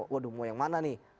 waduh mau yang mana nih